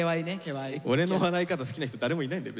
俺の笑い方好きな人誰もいないんだよ